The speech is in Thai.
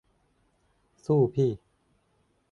สู้พี่